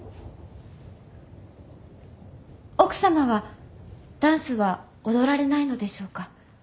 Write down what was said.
奥様はダンスは踊られないのでしょうか？